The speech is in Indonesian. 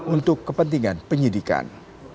untuk kepentingan penyidikan